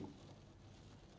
pemerintah memerangi kemiskinan